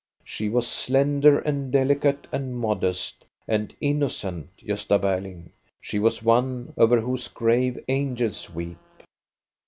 She was slender and delicate and modest and innocent, Gosta Berling. She was one over whose grave angels weep.